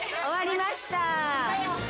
終わりました。